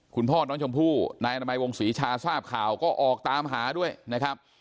คุณพ่อน้องชมพู่นายอนามัยวงศรีชาทราบข่าวก็ออกตามหาด้วยนะครับ